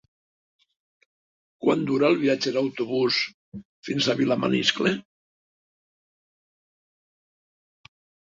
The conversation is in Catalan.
Quant dura el viatge en autobús fins a Vilamaniscle?